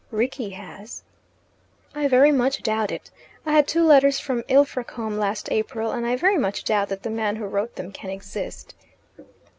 "Rickie has." "I very much doubt it. I had two letters from Ilfracombe last April, and I very much doubt that the man who wrote them can exist."